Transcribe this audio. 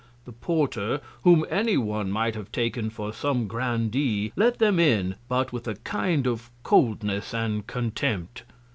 The Porter, whom any One might have taken for some Grandee, let them in, but with a kind of Coldness and Contempt.